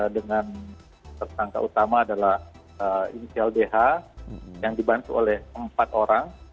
dengan tersangka utama adalah inisial dh yang dibantu oleh empat orang